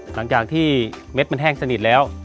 หลังจากที่เม็ดมันแห้งสนิทแล้ว